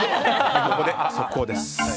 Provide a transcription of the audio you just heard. ここで速報です。